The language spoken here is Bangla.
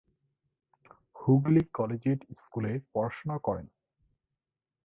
হুগলী কলেজিয়েট স্কুলে পড়াশোনা করেন।